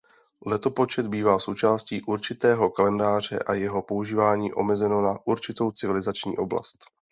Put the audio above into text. Letopočet bývá součástí určitého kalendáře a jeho používání omezeno na určitou civilizační oblast.